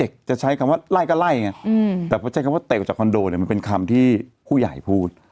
เด็กจะใช้กับว่าไล่ก็ไล่แต่พอแตะออกจากคอนโดเนี่ยเป็นคำที่ผู้ใหญ่พูด